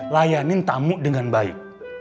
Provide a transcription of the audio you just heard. layanin tamu dengan baik